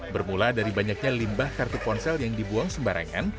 bermula dari banyaknya limbah kartu ponsel yang dibuang sembarangan